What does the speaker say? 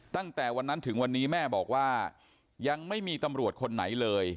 ตั้งแต่วันนั้นถึงวันนี้แม่บอกว่ายังไม่มีตำรวจคนไหนเลย